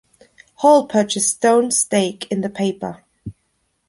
Hall purchased Stone's stake in the paper.